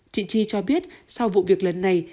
chị chi cho biết sau vụ việc lần này